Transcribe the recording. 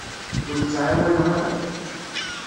Ur k-ttɛawaneɣ ara.